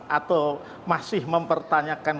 atau masih mempertanyakan